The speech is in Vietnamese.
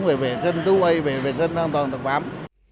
về vệ sinh thú y về vệ sinh an toàn thực phẩm